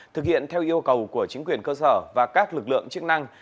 thực hiện theo yêu cầu của chính quyền cơ sở và các lực lượng chức năng